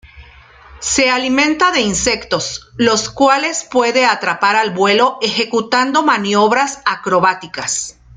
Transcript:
Se alimenta de insectos, los cuales puede atrapar al vuelo ejecutando maniobras acrobáticas.